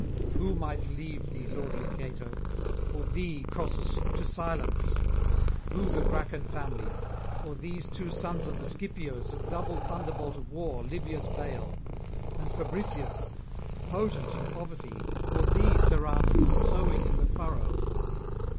Who might leave thee, lordly Cato, or thee, Cossus, to silence? who the Gracchan family, or these two sons of the Scipios, a double thunderbolt of war, Libya's bale? and Fabricius potent in poverty, or [844 875]thee, Serranus, sowing in the furrow?